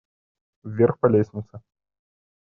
Вверх по лестнице.